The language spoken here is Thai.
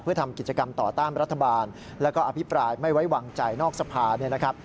เพื่อทำกิจกรรมต่อตามรัฐบาลแล้วก็อภิปรายไม่ไว้หวังใจนอกสภา